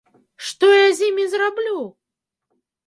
Што я з імі зраблю?